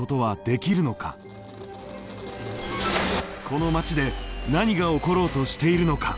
この町で何が起ころうとしているのか。